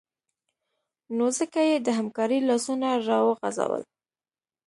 نو ځکه یې د همکارۍ لاسونه راوغځول